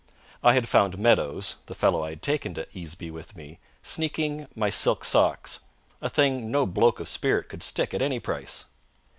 I had found Meadowes, the fellow I had taken to Easeby with me, sneaking my silk socks, a thing no bloke of spirit could stick at any price.